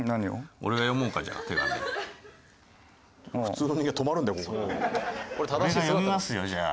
俺が読みますよじゃあ。